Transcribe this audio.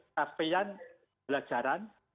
tapi yang belajaran